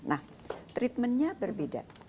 nah treatmentnya berbeda